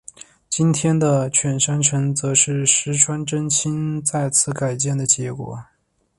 今日的犬山城则是石川贞清再次改建的结果。